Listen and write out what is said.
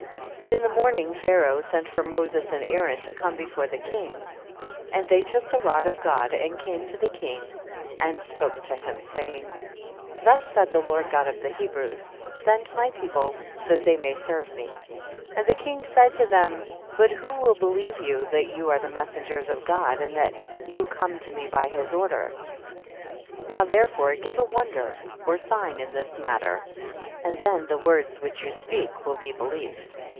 32. And in the morning Pharaoh sent for Moses and Aaron to come before the king, and they took the * Moses and Aaron. tAngelic form. rod of God, and came to the king and spoke to him, saying, 33. Thus said the Lord God of the Hebrews, send my people that they may serve me. 34. And the king said to them, but who will believe you that you are the messengers of God and that you come to me by his order ? 35. Now therefore give a wonder or sign in this matter, and then the words which you speak will be be lieved.